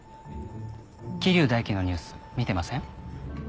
桐生大輝のニュース見てません？